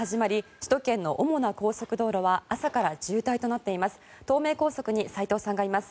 首都圏の主な高速道路は朝から渋滞となっています。